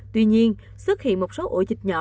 tuy nhiên xuất hiện một số ổ dịch nhỏ